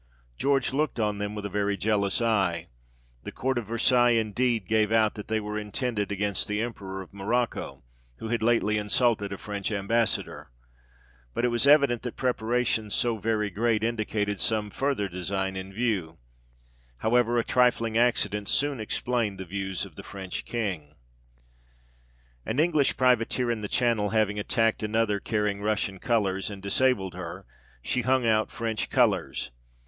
George looked on them with a very jealous eye ; the Court of Versailles, indeed, gave out that they were intended against the Emperor of Morocco, who had lately insulted a French Ambassador ; but it was evident that preparations so very great indicated some further design in view : however, a trifling accident soon explained the views of the French King. FRANCE DECLARES WAR. 25 An English privateer in the Channel having attacked another carrying Russian colours, and disabled her, she hung out French colours.